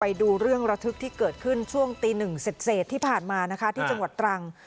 ไปดูเรื่องระทึกที่เกิดขึ้นช่วงตีหนึ่งเสร็จที่ผ่านมานะคะที่จังหวัดตรัง